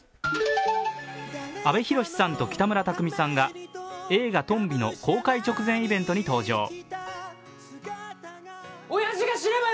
阿部寛さんと北村匠海さんが、映画「とんび」の公開直前イベントに登場。